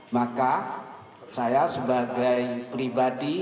maka saya sebagai pribadi